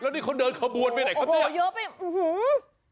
แล้วนี่เขาเดินขบวนไปไหนครับเนี่ยโอ้โหเยอะไปโอ้โห